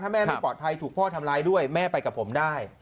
แม่ไม่ปลอดภัยถูกพ่อทำร้ายด้วยแม่ไปกับผมได้